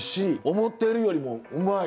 思ってるよりもうまい。